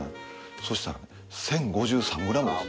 そしたら１，０５３ｇです。